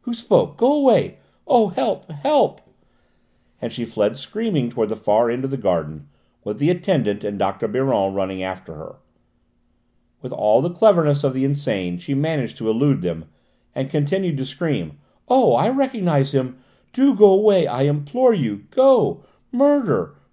Who spoke? Go away! Oh, help! help!" and she fled screaming towards the far end of the garden, with the attendant and Dr. Biron running after her. With all the cleverness of the insane she managed to elude them, and continued to scream. "Oh, I recognised him! Do go away, I implore you! Go! Murder!